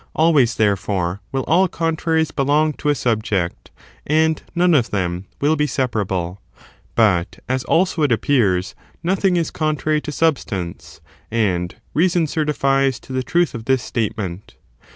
Always, therefore, will all contraries belong to a subject, and none of them will be separable. But, as also it appears, nothing is contrary to substance, and reason certifies to the truth of this statement.